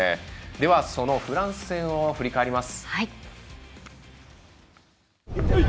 では、そのフランス戦を振り返ります。